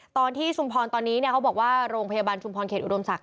ชุมพรตอนนี้เขาบอกว่าโรงพยาบาลชุมพรเขตอุดมศักดิ